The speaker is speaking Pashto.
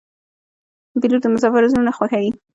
پیلوټ د مسافرو زړونه خوښوي.